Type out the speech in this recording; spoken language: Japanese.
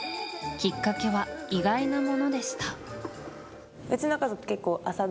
きっかけは意外なものでした。